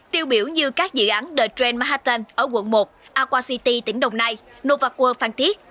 tiêu biểu như các dự án the trend manhattan ở quận một aqua city tỉnh đồng nai novaqua phan thiết